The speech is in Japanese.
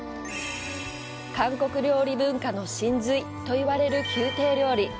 韓国料理文化の真髄と言われる宮廷料理。